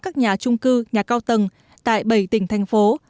các nhà trung cư nhà cao tầng tại bảy tỉnh thành phố